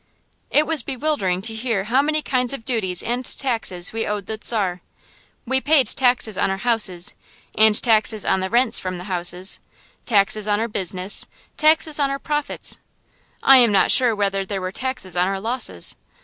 It was bewildering to hear how many kinds of duties and taxes we owed the Czar. We paid taxes on our houses, and taxes on the rents from the houses, taxes on our business, taxes on our profits. I am not sure whether there were taxes on our losses.